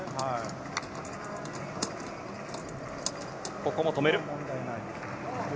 ここも止める。